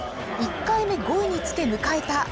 １回目５位につけ迎えた